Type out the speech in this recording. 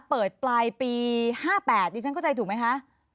เปิดปลายปี๕๘นี่ฉันเข้าใจถูกไหมคะ